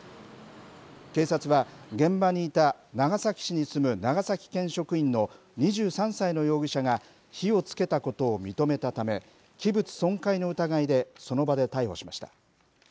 警察は、現場にいた、長崎市に住む長崎県職員の２３歳の容疑者が火をつけたことを認めたため、器物損壊の疑いでその場で逮捕しました。